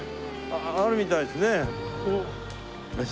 あるみたいですね。